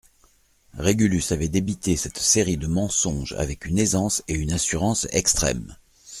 Régulus avait débité cette série de mensonges avec une aisance et une assurance extrêmes.